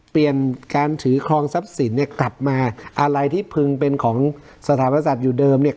เปลี่ยนการถือครองทรัพย์สินเนี่ยกลับมาอะไรที่พึงเป็นของสถาปศัตว์อยู่เดิมเนี่ย